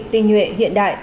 tình nguyện hiện đại